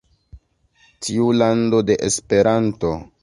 Tiu lando de Esperanto!?